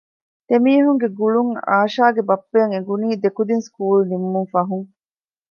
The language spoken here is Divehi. ދެމީހުންގެ ގުޅުން އާޝާގެ ބައްޕައަށް އެނގުނީ ދެކުދިން ސްކޫލް ނިމުން ފަހުން